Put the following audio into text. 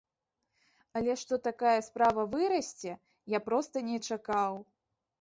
Але што такая справа вырасце, я проста не чакаў.